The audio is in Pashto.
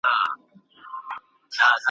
چي کړي ډک د مځکي مخ له مخلوقاتو !.